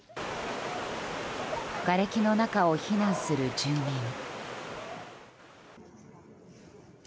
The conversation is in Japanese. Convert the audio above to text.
がれきの中を避難する住民。